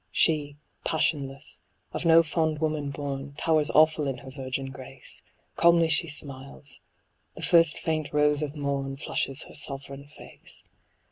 She, passionless, of no fond woman born. Towers awful in her virgin grace ; Calmly she smiles ; the first faint rose of morn Flushes her sovereign face.